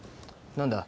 何だ？